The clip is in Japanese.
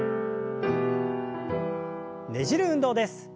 ねじる運動です。